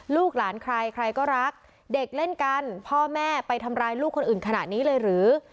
ลูกหลานใครใครก็รักเด็กเล่นกันพ่อแม่ไปทำร้ายลูกคนอื่นขนาดนี้เลยหรือ